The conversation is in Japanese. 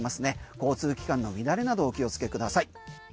交通機関の乱れなどお気をつけください。